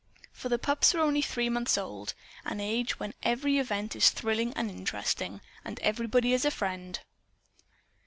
For the pups were only three months old an age when every event is thrillingly interesting, and everybody is a friend.